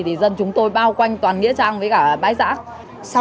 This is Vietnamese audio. thì dân chúng tôi bao quanh toàn nghĩa trang với cả bãi giác